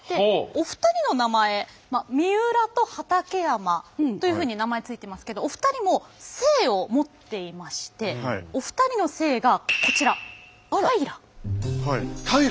お二人の名前三浦と畠山というふうに名前付いていますけどお二人も姓を持っていましてお二人の姓がこちら平。